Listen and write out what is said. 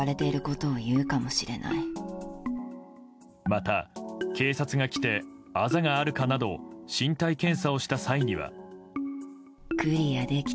また警察が来てあざがあるかなど身体検査をした際には。